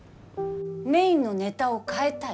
メインのネタを変えたい？